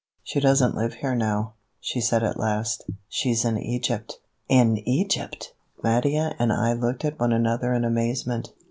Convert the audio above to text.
"She doesn't live here now," she said at last; "she's in Egypt." "In Egypt!" Mattia and I looked at one another in amazement.